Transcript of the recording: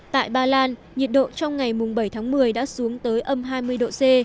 tại bà lan nhiệt độ trong ngày bảy tháng một mươi đã xuống tới âm hai mươi độ c